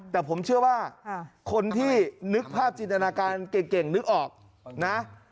แต่ผมเชื่อว่าคนที่นึกภาพจินตนาการเก่งนึกออกนะ